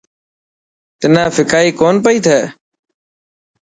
تنا ڦڪائي ڪونه پئي ٿي.